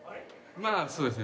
まあそうですね。